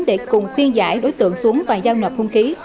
để cùng khuyên giải đối tượng xuống và giao nợp hung khí